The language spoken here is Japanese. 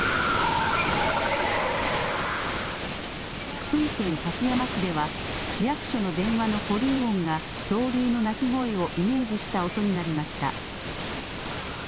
福井県勝山市では、市役所の電話の保留音が恐竜の鳴き声をイメージした音になりました。